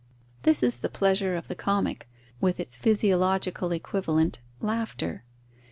This is the pleasure of the comic, with its physiological equivalent, laughter.